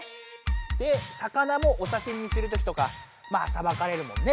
で魚もおさしみにするときとかまあさばかれるもんね。